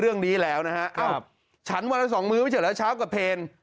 เอ้าฉันวันอันสองมื้แม่เทียร์แล้วเช้ากับอยภีร